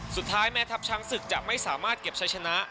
สุดท้ายแม้ทัพช้างศึกจะไม่สามารถเก็บใช้ชนะ